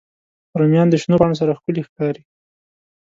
رومیان د شنو پاڼو سره ښکلي ښکاري